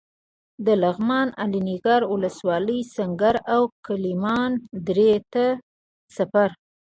د لغمان الینګار ولسوالۍ سنګر او کلمان درې ته سفر.